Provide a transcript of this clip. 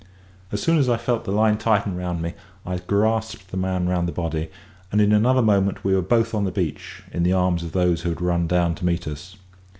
As soon as I felt the line tighten round me, I grasped the man round the body, and in another moment we were both on the beach, in the arms of those who had run down to meet us.